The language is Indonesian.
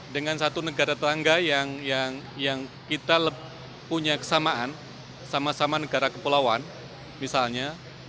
dengan satu negara tetangga yang kita punya kesamaan sama sama negara kepulauan misalnya